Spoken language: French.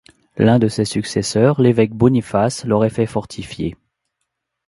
L'un de ses successeurs, l'évêque Boniface l'aurait fait fortifier.